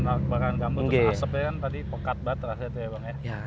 terus asap tadi pokat banget rasanya tuh ya bang ya